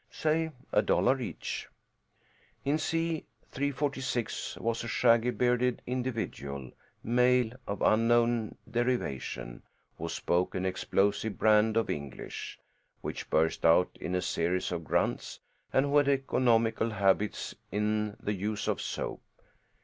Say a dollar each. In C 346 was a shaggy bearded individual male of unknown derivation, who spoke an explosive brand of English, which burst out in a series of grunts, and who had economical habits in the use of soap.